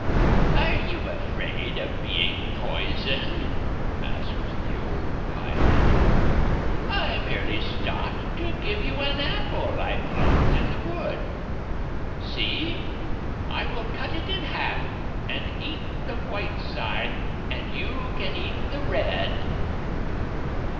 "Are you afraid of being poisoned?" asked the old pieman. " I merely stopped to give you an apple I plucked in the wood. See, I will 239 240 cut it in half and eat the white side, and you can eat the red.